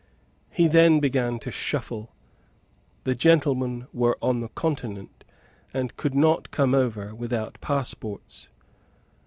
He then began to shuffle. The gentlemen were on the Continent, and could not come over without passports.